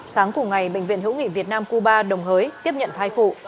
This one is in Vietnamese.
sáng cùng ngày bệnh viện hữu nghị việt nam cuba đồng hới tiếp nhận thai phụ